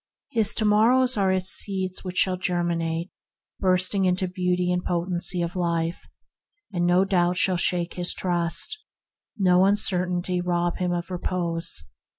His to morrows are as seeds that shall germinate, bursting into beauty and potency of life, and no doubt shall shake THE DIVINE CENTRE 85 his trust, no uncertainty rob him of repose.